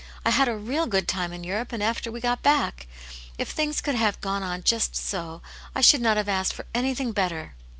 I had a real good time in Europe, and after we got back. If things could have gone on just so, I should not have asked for anything better."